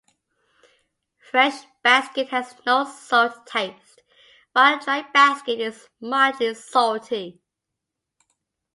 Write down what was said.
Fresh basket has no salt taste, while dry basket is mildly salty.